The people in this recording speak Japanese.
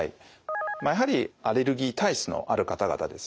やはりアレルギー体質のある方々ですね。